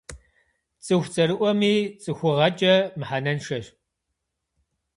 Цӏыху цӏэрыӏуэми цӏыхугъэкӏэ мыхьэнэншэщ.